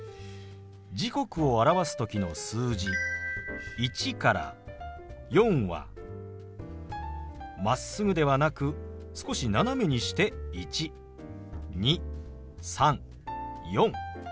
時刻を表す時の数字１から４はまっすぐではなく少し斜めにして１２３４。